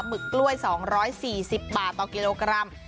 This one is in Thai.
หึกกล้วย๒๔๐บาทต่อกิโลกรัม